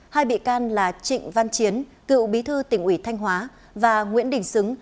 hai bị can là trịnh văn chiến cựu bí thư tỉnh ủy thanh hóa và nguyễn đình xứng